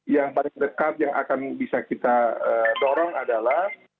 yang paling dekat yang akan bisa kita dorong adalah